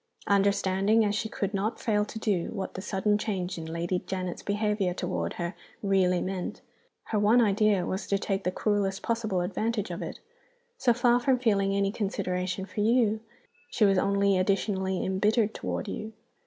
Understanding, as she could not fail to do, what the sudden change in Lady Janet's behavior toward her really meant, her one idea was to take the cruelest possible advantage of it. So far from feeling any consideration for you, she was only additionally imbittered toward you.